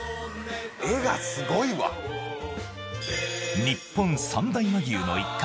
画がすごいわ日本三大和牛の一角